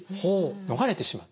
逃れてしまう。